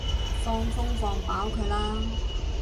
放風放飽佢啦